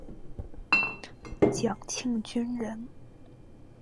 蒋庆均人。